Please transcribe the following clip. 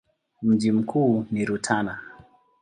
Mji mkuu ni Rutana.